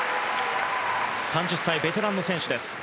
３０歳、ベテランの選手です。